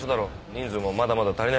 人数もまだまだ足りないし。